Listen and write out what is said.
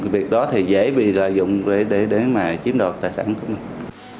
việc đó thì dễ bị lợi dụng để mà chiếm đoạt tài sản của mình